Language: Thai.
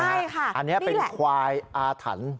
อันนี้เป็นควายอาถรรพ์